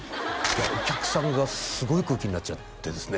お客さんがすごい空気になっちゃってですね